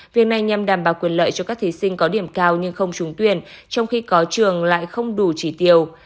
việc này nhằm đảm bảo quyền lợi cho các thí sinh có điểm cao nhưng không trúng tuyển trong khi có trường lại không đủ chỉ tiêu